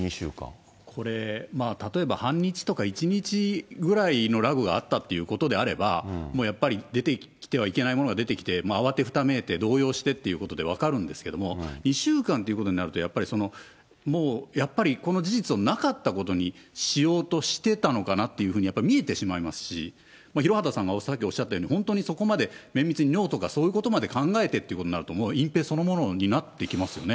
これ、まあ例えば、半日とか１日ぐらいのラグがあったということであれば、もうやっぱり出てきてはいけないものが出てきて、慌てふためいて、動揺してということで分かるんですけども、２週間ということになると、やっぱりもう、この事実をなかったことにしようとしていたのかなというふうに、やっぱり見えてしまいますし、廣畑さんがさっきおっしゃったように、本当にそこまで綿密に尿とかそこまで考えてってことになると、もう隠蔽そのものになってきますよね。